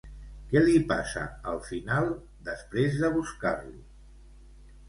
Què li passa al final, després de buscar-lo?